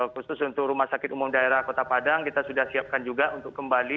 khusus untuk rumah sakit umum daerah kota padang kita sudah siapkan juga untuk kembali